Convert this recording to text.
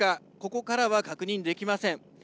ここからは確認できません。